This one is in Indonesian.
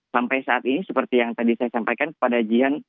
sampai saat ini seperti yang tadi saya sampaikan kepada jian